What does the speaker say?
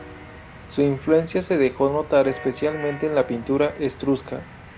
Su influencia se dejó notar especialmente en la pintura etrusca.